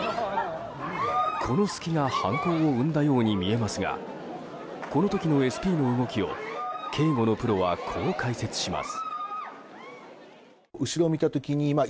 この隙が犯行を生んだように見えますがこの時のＳＰの動きを警護のプロはこう解説します。